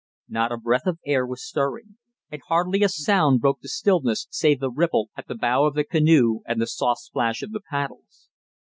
Not a breath of air was stirring, and hardly a sound broke the stillness save the ripple at the bow of the canoe and the soft splash of the paddles.